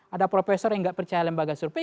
ada profesor yang nggak percaya lembaga survei